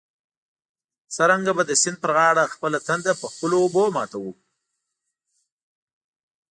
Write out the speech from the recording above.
څرنګه به د سیند پر غاړه خپله تنده په خپلو اوبو ماتوو.